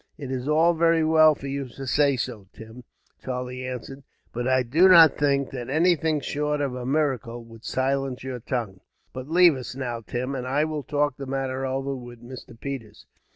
"It's all very well for you to say so, Tim," Charlie answered; "but I do not think that anything, short of a miracle, would silence your tongue. But leave us now, Tim, and I will talk the matter over with Mr. Peters.